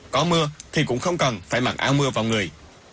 có mưa thì cũng không cần phải mặc áo mưa vào người